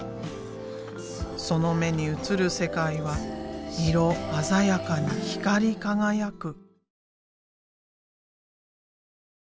その目に映る世界は色鮮やかに光り輝く。